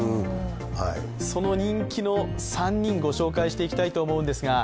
その人気の３人、ご紹介していきたいと思います。